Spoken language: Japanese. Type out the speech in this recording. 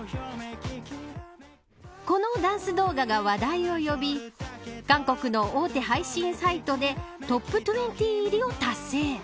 このダンス動画が話題を呼び韓国の大手配信サイトでトップ２０入りを達成。